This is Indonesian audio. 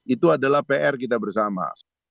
itu adalah pr kita bersama